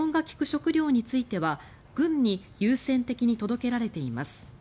食料については軍に優先的に届けられています。